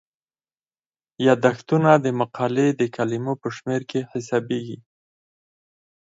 یادښتونه د مقالې د کلمو په شمیر کې حسابيږي.